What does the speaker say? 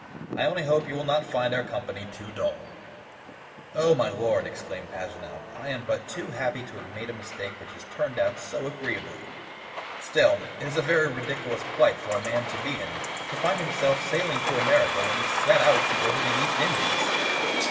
I only hope you will not find our company too dull." "Oh, my Lord," exclaimed Paganel, "I am but too happy to have made a mistake which has turned out so agreeably. Still, it is a very ridiculous plight for a man to be in, to find himself sailing to America when he set out to go to the East Indies!"